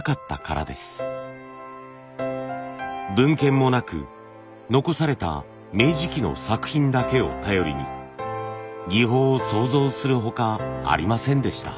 文献もなく残された明治期の作品だけを頼りに技法を想像するほかありませんでした。